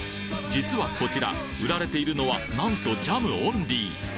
実はこちら売られているのはなんとジャムオンリー！